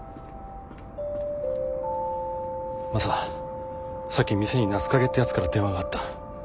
マサさっき店に夏影ってやつから電話があった。